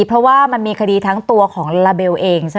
เพราะว่ามันมีคดีทั้งตัวของลาเบลเอง